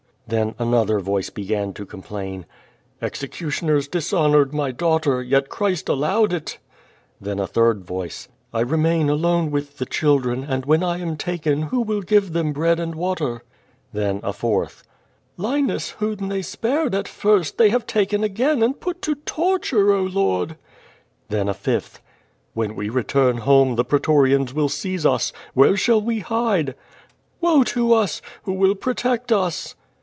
Then another voice "began to complain: 'Executioners dishonored my daughter, yet Christ al lowed it." Theo a third voice: QUO VADIS. 387 *T remain alone with the childi'en, and when I am taken who will give them bread and water? Then a fourth: '*Linus, whom they spared at first, they have taken again and put to torture, 0 Lord!^' Then a fifth: "Wlien we return home the prctorians will seize us. Where shall we hide?" *'Woe to us! Who ^nll protect us?